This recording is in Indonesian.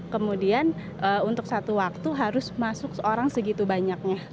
kemudian untuk satu waktu harus masuk seorang segitu banyaknya